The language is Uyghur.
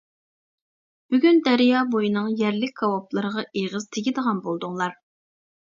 بۈگۈن دەريا بويىنىڭ يەرلىك كاۋاپلىرىغا ئېغىز تېگىدىغان بولدۇڭلار.